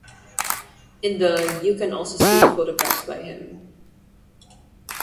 In the you can also see photographs by him.